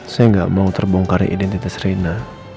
saya gak mau terbongkari identitas reina